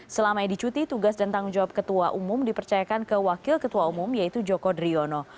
selama edi cuti tugas dan tanggung jawab ketua umum dipercayakan ke wakil ketua umum yaitu joko driono